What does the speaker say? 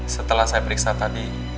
setelah saya periksa tadi